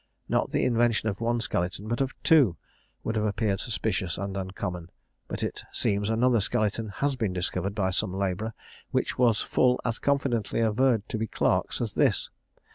Not the invention of one skeleton, but of two, would have appeared suspicious and uncommon. But it seems another skeleton has been discovered by some labourer, which was full as confidently averred to be Clarke's as this.